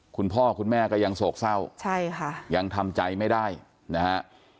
คุณพ่อคุณแม่ก็ยังโศกเศร้าใช่ค่ะยังทำใจไม่ได้นะฮะ